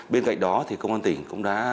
bên cạnh đó thì công an tỉnh cũng đã